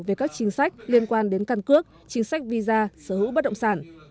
về các chính sách liên quan đến căn cước chính sách visa sở hữu bất động sản